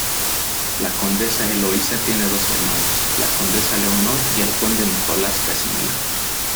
La condesa Eloísa tiene dos hermanos, la condesa Leonor y el conde Nicolás Casimiro.